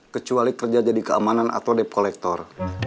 kecuali kerja jadi keamanan atau dep kolektor